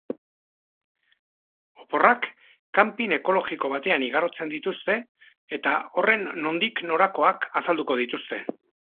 Oporrak camping ekologiko batean igarotzen dituzte, eta horren nondik norakoak azalduko dituzte.